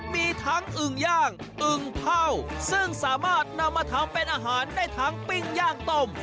มีทั้งอึ่งย่างอึ่งเท่าซึ่งสามารถนำมาทำเป็นอาหารได้ทั้งปิ้งย่างต้ม